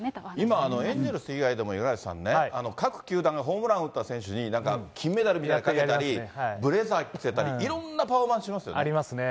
今、エンゼルス以外でも五十嵐さんね、各球団がホームランを打った選手になんか金メダルみたいなのをかけたり、ブレザーかけたり、いろありますね。